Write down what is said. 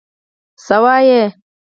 _څه وايي؟